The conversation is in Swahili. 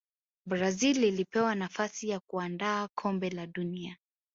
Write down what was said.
brazil ilipewa nafasi ya kuandaa kombe la duni